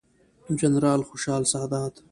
جنرال خوشحال سادات،